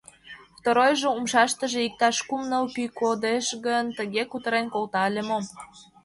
Второйжо, умшаштыже иктаж кум-ныл пӱй кодеш гын, тыге кутырен колта ыле мо?